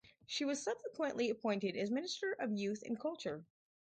She was subsequently appointed as Minister of Youth and Culture.